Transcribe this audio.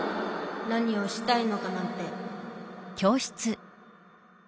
何をしたいのかなんて。